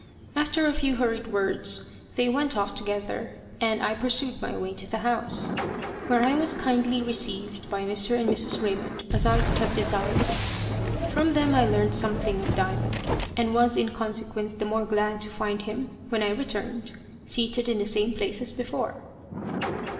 After a few hurried words, they went off together, and I pursued my way to the house, where I was as kindly received by Mr. and Mrs. Raymond as I could have desired. From them I learned something of Diamond, and was in consequence the more glad to find him, when I returned, seated in the same place as before.